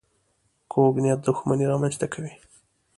کوږ نیت دښمني رامنځته کوي